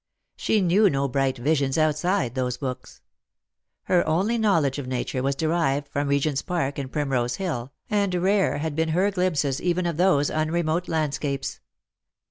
She knew no bright visions outside those books. Her only knowledge of nature was derived from Regent's park and Primrose hill, and rare had been her glimpses even of those un remote landscapes.